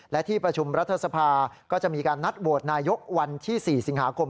และที่ประชุมรัฐสภาก็จะมีการนัดโหวตนายกวันที่๔สิงหาคม